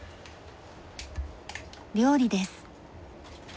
料理です。